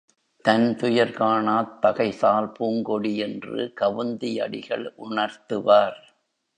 தன் துயர் காணாத் தகைசால் பூங்கொடி என்று கவுந்தி அடிகள் உணர்த்துவார்.